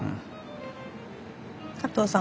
加藤さん